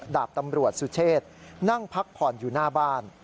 ดาบตำรวจสุเชษนั่งพักผ่อนอยู่หน้าบ้าน